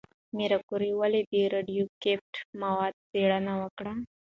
ماري کوري ولې د راډیواکټیف موادو څېړنه وکړه؟